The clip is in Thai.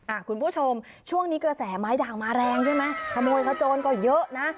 คุณผู้ชมช่วงนี้กระแสไม้ด่างมาแรงใช่ไหมขโมยขโจรก็เยอะนะ